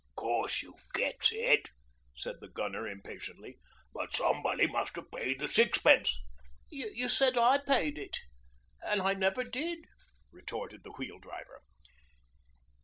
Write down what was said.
'Course you gets it,' said the Gunner impatiently. 'But somebody must 'a' paid the sixpence. ...' 'You said I paid it an' I never did,' retorted the Wheel Driver.